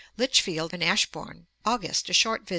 Lichfield and Ashbourn, August; a short visit.